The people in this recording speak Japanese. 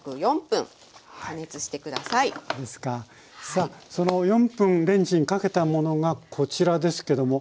さあその４分レンジにかけたものがこちらですけども。